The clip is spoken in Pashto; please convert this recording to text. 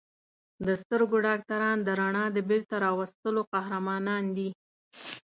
د سترګو ډاکټران د رڼا د بېرته راوستلو قهرمانان دي.